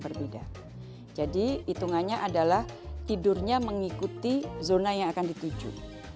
berbeda jadi hitungannya adalah tidurnya mengikuti zona yang akan dituju